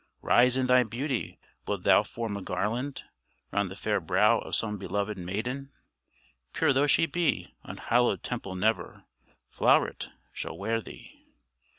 Rise in thy beauty; wilt thou form a garland Round the fair brow of some belovèd maiden? Pure though she be, unhallowed temple never, Flow'ret! shall wear thee.